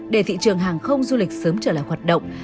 để thị trường hàng không du lịch sớm trở lại hoạt động